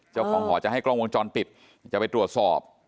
เจ้าของหอจะให้กล้องวงจรปิดจะไปตรวจสอบ